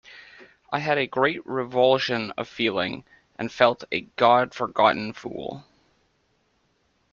I had a great revulsion of feeling, and felt a God-forgotten fool.